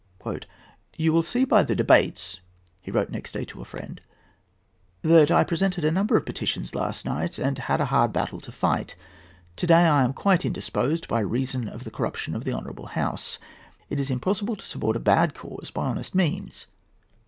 "You will see by the 'Debates,'" he wrote next day to a friend, "that I presented a number of petitions last night, and had a hard battle to fight. Today I am quite indisposed, by reason of the corruption of the Honourable House. It is impossible to support a bad cause by honest means.